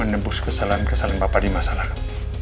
menembus kesalahan kesalahan bapak di masa lalu